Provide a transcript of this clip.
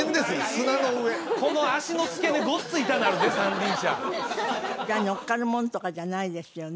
砂の上この足の付け根ごっつ痛なるで三輪車じゃあ乗っかるものとかじゃないですよね？